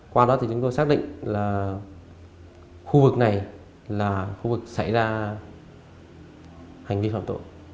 qua đó thì chúng tôi xác định là khu vực này là khu vực xảy ra hành vi phạm tội